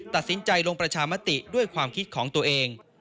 ตัดสินใจลงประชามติด้วยความคิดของตัวเอง